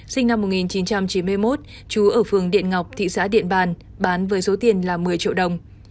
sinh năm một nghìn chín trăm chín mươi một chú ở phường điện ngọc thị xã điện bàn bán với số tiền là một mươi triệu đồng